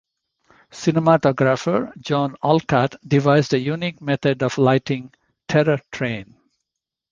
Cinematographer John Alcott devised a unique method of lighting "Terror Train".